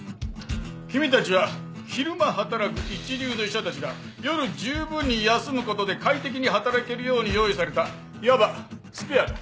君たちは昼間働く一流の医者たちが夜じゅうぶんに休むことで快適に働けるように用意されたいわばスペアだ。